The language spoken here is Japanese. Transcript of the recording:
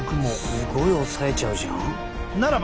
すごい抑えちゃうじゃん。